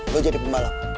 lo jadi pembalap